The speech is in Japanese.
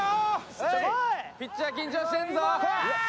ピッチャー緊張してるぞ！